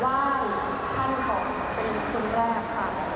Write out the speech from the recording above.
แล้วแต่ตอนจะไหว้ท่านของคุณคืนแรกค่ะ